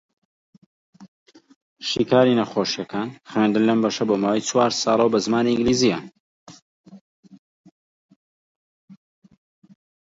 دیسان بارانی پاییزە دایدایەوە